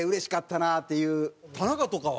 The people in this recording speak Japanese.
田中とかは？